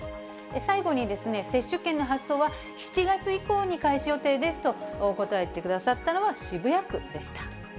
最後に、接種券の発送は７月以降に開始予定ですと答えてくださったのは、渋谷区でした。